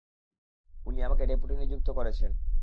উনি আমাকে ডেপুটি নিযুক্ত করেছেন!